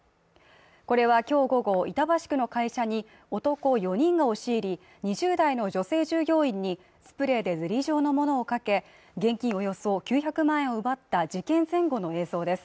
これは今日午後板橋区の会社に男４人が押し入り、２０代の女性従業員にスプレーでゼリー状のものを掛け、現金およそ９００万円を奪った事件前後の映像です。